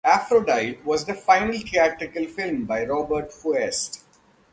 "Aphrodite" was the final theatrical film by Robert Fuest.